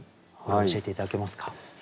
これを教えて頂けますか？